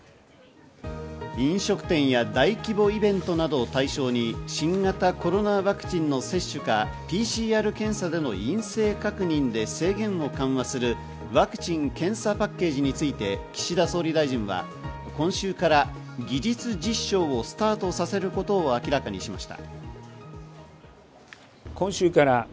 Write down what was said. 飲食店や大規模イベントなどを対象に新型コロナワクチンの接種かＰＣＲ検査での陰性確認で制限を緩和するワクチン・検査パッケージについて、岸田総理大臣は今週から技術実証をスタートさせることを明らかにしました。